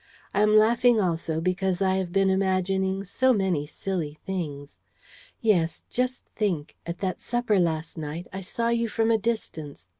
I am laughing also because I have been imagining so many silly things. Yes, just think, at that supper last night, I saw you from a distance